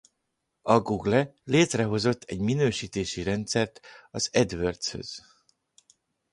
A Google létrehozott egy minősítési rendszert az AdWords-höz.